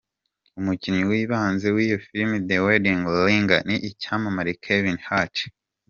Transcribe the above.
Umukinnyi w’ibanze w’iyo filimi “ The Wedding Ringer” ni icyamamare Kevin Hart.